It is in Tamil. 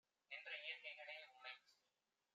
நின்ற இயற்கைகளே! - உம்மைச்